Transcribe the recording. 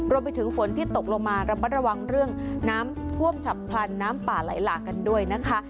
รวมไปถึงฝนที่ตกลงมาระมัดระวังเรื่องน้ำท่วมฉับพลันน้ำป่าไหลหลากกันด้วยนะคะ